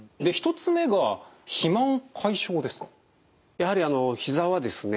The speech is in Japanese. やはりひざはですね